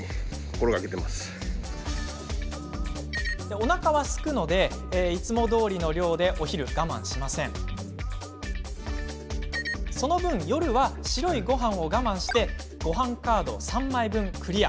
おなかがすくのでいつもどおりの量でお昼は我慢はしませんがその分夜は白いごはんを我慢してごはんカード３枚分、クリア。